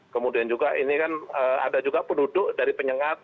kemudian juga ini kan ada juga penduduk dari penyengat